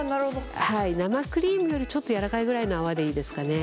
生クリームよりちょっとやわらかいぐらいの泡でいいですかね。